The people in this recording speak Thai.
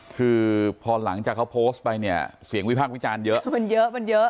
คือพอหลังจากเขาโพสต์ไปเนี่ยเสียงวิพากษ์วิจารณ์เยอะ